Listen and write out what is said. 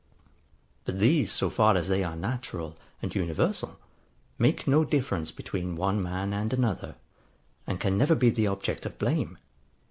But these, so far as they are natural, and universal, make no difference between one man and another, and can never be the object of blame.